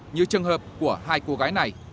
như trường hợp của hai cô gái này